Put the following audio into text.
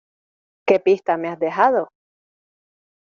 ¿Qué pista me has dejado?